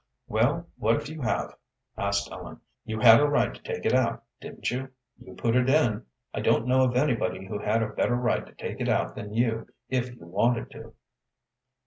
"Well, what if you have?" asked Ellen. "You had a right to take it out, didn't you? You put it in. I don't know of anybody who had a better right to take it out than you, if you wanted to."